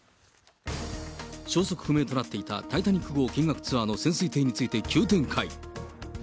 消息不明となっていたタイタニック号見学ツアーの潜水艇について急展開。